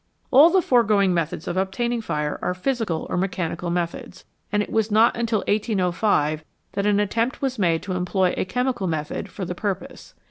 All the foregoing methods of obtaining fire are physical or mechanical methods, and it was not till 1805 that an attempt was made to employ a chemical method for the purpose.